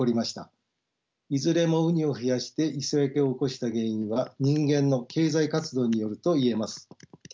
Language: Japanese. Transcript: いずれもウニを増やして磯焼けを起こした原因は人間の経済活動によると言えます。